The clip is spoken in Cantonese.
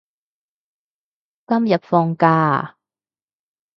今日放假啊？